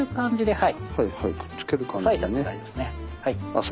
はい。